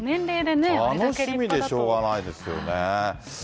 楽しみでしようがないですよね。